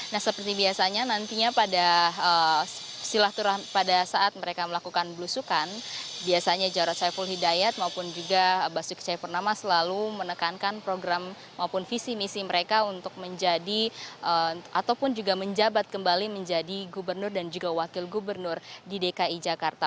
nah seperti biasanya nantinya pada silaturahmi pada saat mereka melakukan belusukan biasanya jarod saiful hidayat maupun juga basuki cahayapurnama selalu menekankan program maupun visi misi mereka untuk menjadi ataupun juga menjabat kembali menjadi gubernur dan juga wakil gubernur di dki jakarta